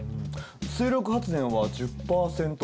水力発電は１０％前後。